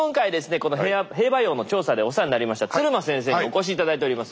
この兵馬俑の調査でお世話になりました鶴間先生にお越し頂いております。